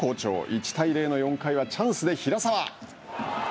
１対０の４回はチャンスで平沢。